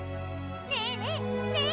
ねえねえねえっ！